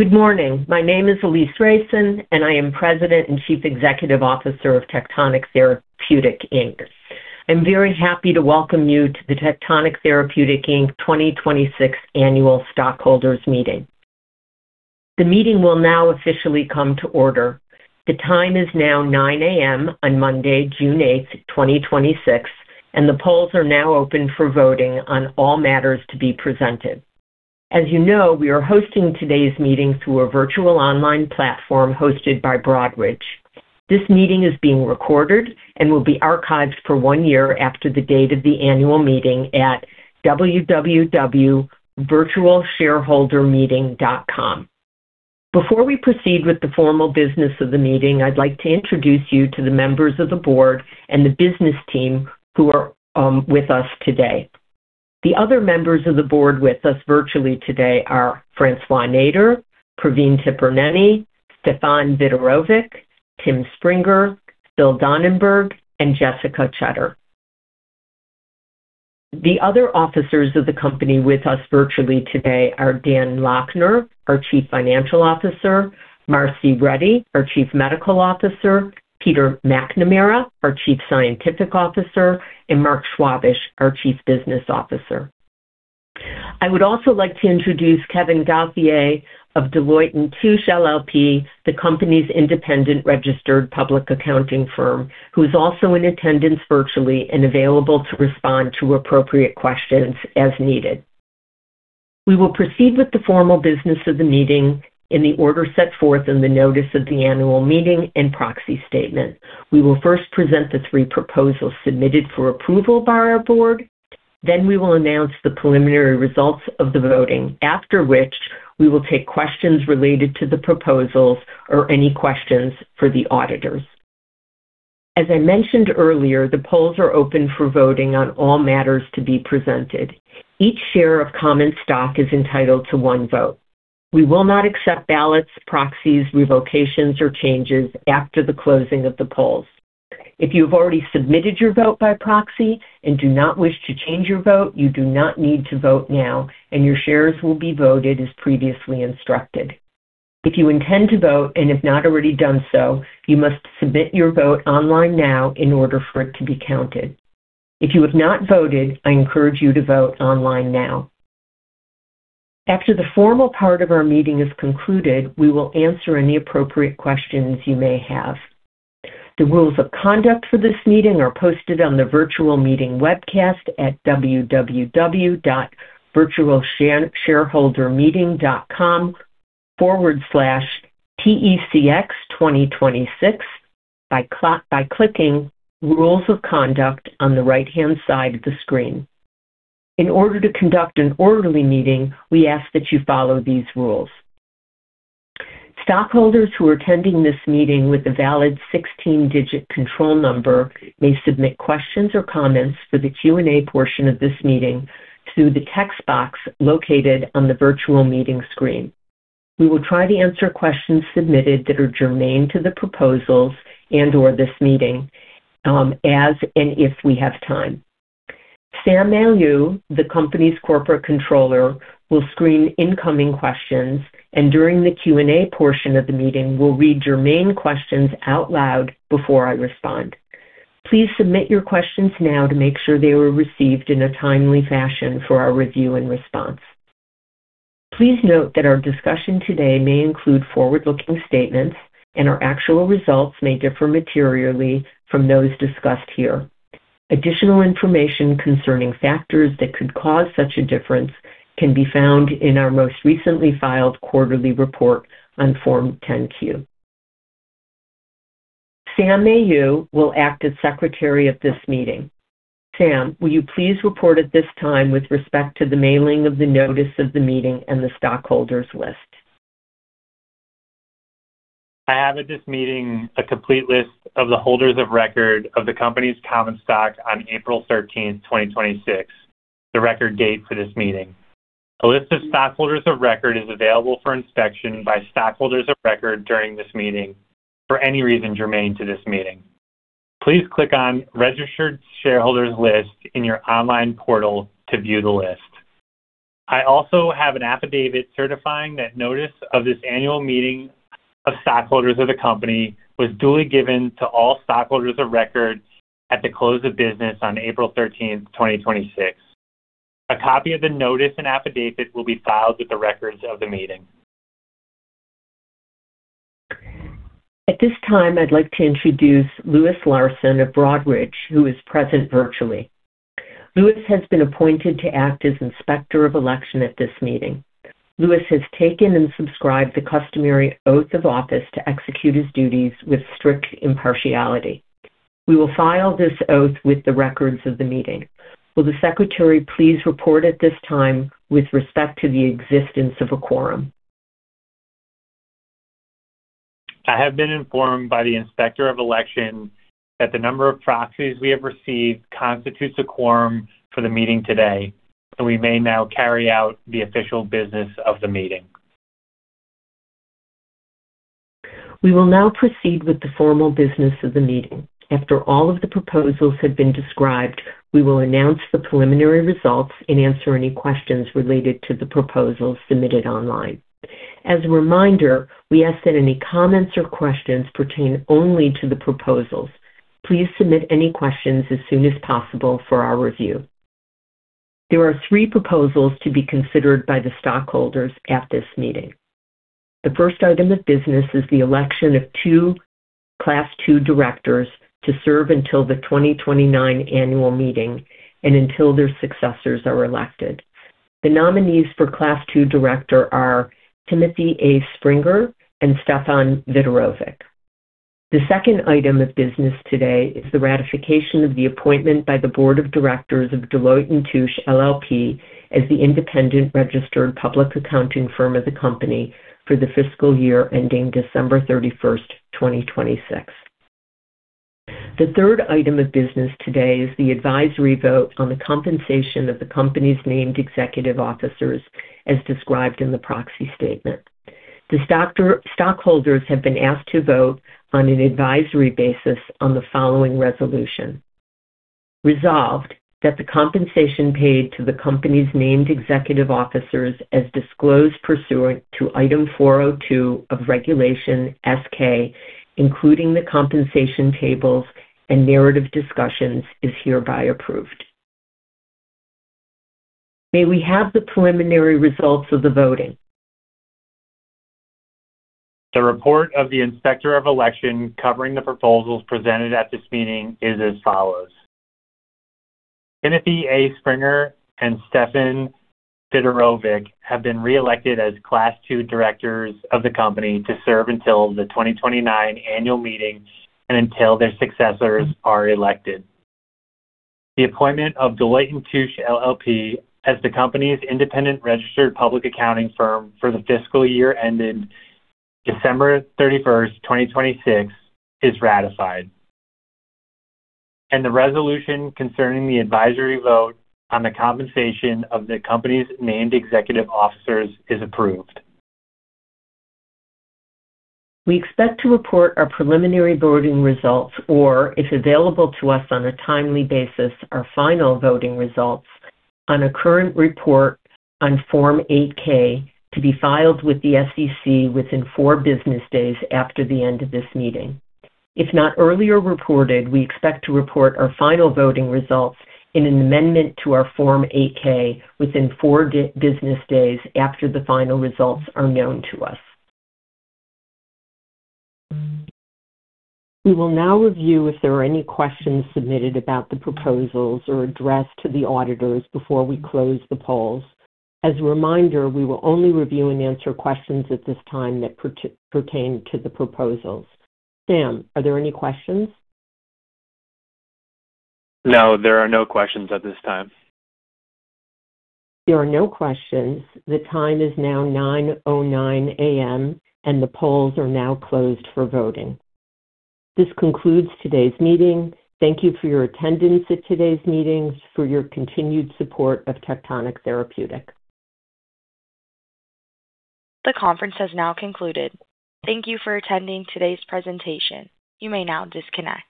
Good morning. My name is Alise Reicin, and I am President and Chief Executive Officer of Tectonic Therapeutic, Inc. I am very happy to welcome you to the Tectonic Therapeutic, Inc. 2026 Annual Stockholders Meeting. The meeting will now officially come to order. The time is now 9:00 A.M. on Monday, June 8th, 2026, and the polls are now open for voting on all matters to be presented. As you know, we are hosting today's meeting through a virtual online platform hosted by Broadridge. This meeting is being recorded and will be archived for one year after the date of the annual meeting at www.virtualshareholdermeeting.com. Before we proceed with the formal business of the meeting, I would like to introduce you to the members of the board and the business team who are with us today. The other members of the board with us virtually today are François Nader, Praveen Tipirneni, Stefan Vitorovic, Tim Springer, Phil Dannenberg, and Jessica Chutter. The other officers of the company with us virtually today are Dan Lochner, our Chief Financial Officer, Marcella Ruddy, our Chief Medical Officer, Peter McNamara, our Chief Scientific Officer, and Marc Schwabish, our Chief Business Officer. I would also like to introduce Kevin Gauvreau of Deloitte & Touche LLP, the company's independent registered public accounting firm, who is also in attendance virtually and available to respond to appropriate questions as needed. We will proceed with the formal business of the meeting in the order set forth in the notice of the annual meeting and proxy statement. We will first present the three proposals submitted for approval by our board. Then we will announce the preliminary results of the voting, after which we will take questions related to the proposals or any questions for the auditors. As I mentioned earlier, the polls are open for voting on all matters to be presented. Each share of common stock is entitled to one vote. We will not accept ballots, proxies, revocations, or changes after the closing of the polls. If you have already submitted your vote by proxy and do not wish to change your vote, you do not need to vote now, and your shares will be voted as previously instructed. If you intend to vote and have not already done so, you must submit your vote online now in order for it to be counted. If you have not voted, I encourage you to vote online now. After the formal part of our meeting is concluded, we will answer any appropriate questions you may have. The rules of conduct for this meeting are posted on the virtual meeting webcast at www.virtualshareholdermeeting.com/tecx2026 by clicking Rules of Conduct on the right-hand side of the screen. In order to conduct an orderly meeting, we ask that you follow these rules. Stockholders who are attending this meeting with a valid 16-digit control number may submit questions or comments for the Q&A portion of this meeting through the text box located on the virtual meeting screen. We will try to answer questions submitted that are germane to the proposals and/or this meeting, as and if we have time. Sam Mailloux, the company's Corporate Controller, will screen incoming questions and during the Q&A portion of the meeting will read germane questions out loud before I respond. Please submit your questions now to make sure they are received in a timely fashion for our review and response. Please note that our discussion today may include forward-looking statements and our actual results may differ materially from those discussed here. Additional information concerning factors that could cause such a difference can be found in our most recently filed quarterly report on Form 10-Q. Sam Mailloux will act as Secretary of this meeting. Sam, will you please report at this time with respect to the mailing of the notice of the meeting and the stockholders list? I have at this meeting a complete list of the holders of record of the company's common stock on April 13th, 2026, the record date for this meeting. A list of stockholders of record is available for inspection by stockholders of record during this meeting for any reason germane to this meeting. Please click on Registered Shareholders List in your online portal to view the list. I also have an affidavit certifying that notice of this annual meeting of stockholders of the company was duly given to all stockholders of record at the close of business on April 13th, 2026. A copy of the notice and affidavit will be filed with the records of the meeting. At this time, I'd like to introduce Louis Larsen of Broadridge, who is present virtually. Louis has been appointed to act as Inspector of Election at this meeting. Louis has taken and subscribed the customary oath of office to execute his duties with strict impartiality. We will file this oath with the records of the meeting. Will the Secretary please report at this time with respect to the existence of a quorum? I have been informed by the Inspector of Election that the number of proxies we have received constitutes a quorum for the meeting today. We may now carry out the official business of the meeting. We will now proceed with the formal business of the meeting. After all of the proposals have been described, we will announce the preliminary results and answer any questions related to the proposals submitted online. As a reminder, we ask that any comments or questions pertain only to the proposals. Please submit any questions as soon as possible for our review. There are three proposals to be considered by the stockholders at this meeting. The first item of business is the election of two Class II directors to serve until the 2029 annual meeting and until their successors are elected. The nominees for Class II director are Timothy A. Springer and Stefan Vitorovic. The second item of business today is the ratification of the appointment by the board of directors of Deloitte & Touche LLP as the independent registered public accounting firm of the company for the fiscal year ending December 31, 2026. The third item of business today is the advisory vote on the compensation of the company's named executive officers as described in the proxy statement. The stockholders have been asked to vote on an advisory basis on the following resolution. Resolved, that the compensation paid to the company's named executive officers as disclosed pursuant to Item 402 of Regulation S-K, including the compensation tables and narrative discussions, is hereby approved. May we have the preliminary results of the voting? The report of the Inspector of Election covering the proposals presented at this meeting is as follows. Timothy A. Springer and Stefan Vitorovic have been reelected as Class II directors of the company to serve until the 2029 annual meeting and until their successors are elected. The appointment of Deloitte & Touche LLP as the company's independent registered public accounting firm for the fiscal year ending December 31, 2026 is ratified, and the resolution concerning the advisory vote on the compensation of the company's named executive officers is approved. We expect to report our preliminary voting results, or, if available to us on a timely basis, our final voting results on a current report on Form 8-K to be filed with the SEC within four business days after the end of this meeting. If not earlier reported, we expect to report our final voting results in an amendment to our Form 8-K within four business days after the final results are known to us. We will now review if there are any questions submitted about the proposals or addressed to the auditors before we close the polls. As a reminder, we will only review and answer questions at this time that pertain to the proposals. Sam, are there any questions? No, there are no questions at this time. There are no questions. The time is now 9:09 A.M., and the polls are now closed for voting. This concludes today's meeting. Thank you for your attendance at today's meetings, for your continued support of Tectonic Therapeutic. The conference has now concluded. Thank you for attending today's presentation. You may now disconnect.